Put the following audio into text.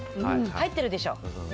入ってるでしょ。